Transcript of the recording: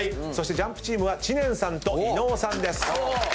ＪＵＭＰチームは知念さんと伊野尾さんです。